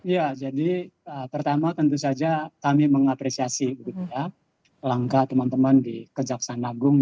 ya jadi pertama tentu saja kami mengapresiasi langkah teman teman di kejaksaan agung